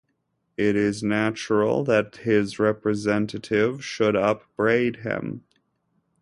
It is natural that his representative should upbraid him.